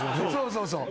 そうそう。